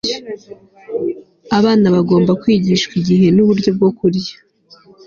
Abana bagomba kwigishwa igihe nuburyo bwo kurya